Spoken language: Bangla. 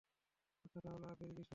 আচ্ছা, তাহলে আর দেরি কিসের?